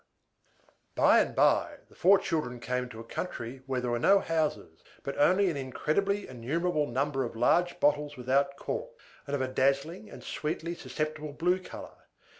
By and by the four children came to a country where there were no houses, but only an incredibly innumerable number of large bottles without corks, and of a dazzling and sweetly susceptible blue color.